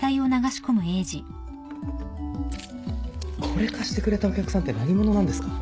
これ貸してくれたお客さんって何者なんですか？